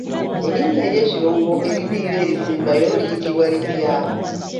Erinnya ery’ekirongo eriddirira erisembayo liyitibwa litya?